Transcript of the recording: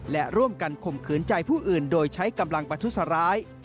และร่วมกันข่มขืนใจผู้อื่นโดยใช้กำลังประทุษร้าย